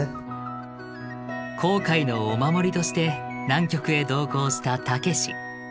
航海のお守りとして南極へ同行したたけし。